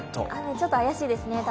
ちょっと怪しいですね。